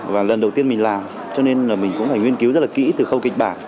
và lần đầu tiên mình làm cho nên là mình cũng phải nghiên cứu rất là kỹ từ khâu kịch bản